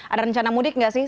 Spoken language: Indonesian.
ada rencana mudik nggak sih